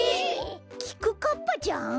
きくかっぱちゃん？